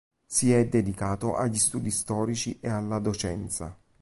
Si è dedicato agli studi storici e alla docenza.